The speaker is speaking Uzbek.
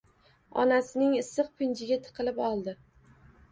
Onasining issiq pinjiga tiqilib oldi